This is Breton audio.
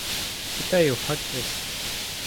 Petra eo ho raktres ?